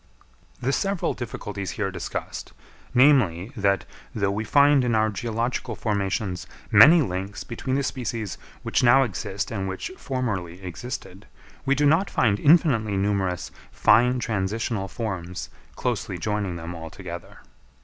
The several difficulties here discussed, namely, that, though we find in our geological formations many links between the species which now exist and which formerly existed, we do not find infinitely numerous fine transitional forms closely joining them all together.